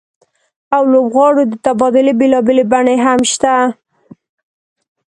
او لوبغاړو د تبادلې بېلابېلې بڼې هم شته